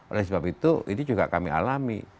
oleh sebab itu ini juga kami alami